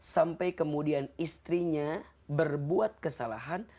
sampai kemudian istrinya berbuat kesalahan